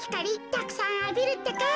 たくさんあびるってか。